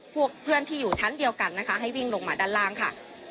เพื่อนที่อยู่ชั้นเดียวกันนะคะให้วิ่งลงมาด้านล่างค่ะ